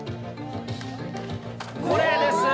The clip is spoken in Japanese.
これです。